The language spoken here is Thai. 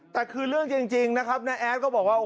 แต่คือเรื่องจริงนะครับน้าแอดก็บอกว่า